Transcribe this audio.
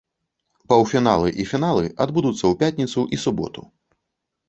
Паўфіналы і фіналы адбудуцца ў пятніцу і суботу.